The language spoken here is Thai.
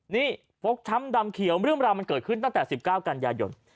นี่ฟกช้ำดำเขียวเรื่องราวมันเกิดขึ้นตั้งแต่๑๙กันยายน